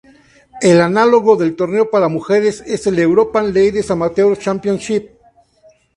El análogo del torneo para mujeres es el European Ladies Amateur Championship.